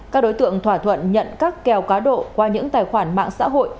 các đối tượng thỏa thuận nhận các kèo cá độ qua những tài khoản mạng xã hội